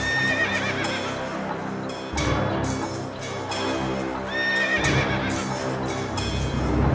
agar tidak ada yang mengecewakanmu